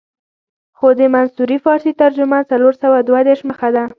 خو د منصوري فارسي ترجمه څلور سوه دوه دېرش مخه ده.